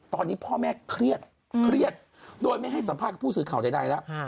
ตอนนี้พ่อแม่เครียดเครียดโดยไม่ให้สัมภาษณ์ผู้สื่อข่าวใดแล้ว